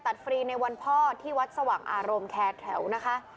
ฟรีในวันพ่อที่วัดสว่างอารมณ์แคร์แถวนะคะ